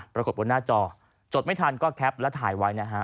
ปรากฏบนหน้าจอจดไม่ทันก็แคปและถ่ายไว้นะฮะ